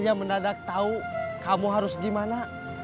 saya mendadak tau kamu harus gimana